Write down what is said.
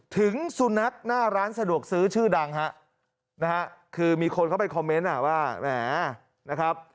ถึงสุนัขหน้าร้านสะดวกซื้อชื่อดังคือมีคนเข้าไปคอมเมนต์ว่า